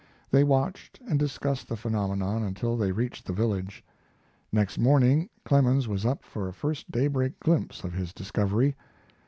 They watched and discussed the phenomenon until they reached the village. Next morning Clemens was up for a first daybreak glimpse of his discovery.